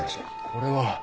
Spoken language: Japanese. これは